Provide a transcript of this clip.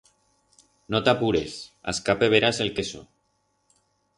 No t'apures, a escape verás el queso.